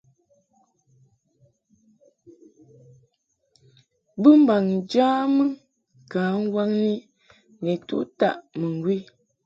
Bɨmbaŋ njamɨ ka nwaŋni nitu taʼ mɨŋgwi.